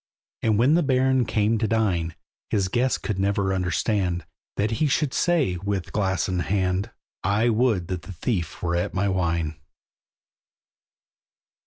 And when the Baron came to dine, His guests could never understand, That he should say, with glass in hand, "I would the thief were at my wine!"